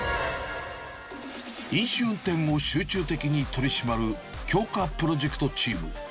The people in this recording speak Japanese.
飲酒運転を集中的に取り締まる、強化プロジェクトチーム。